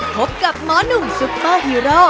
พบกับหมอนุ่มซุปเปอร์ฮีโร่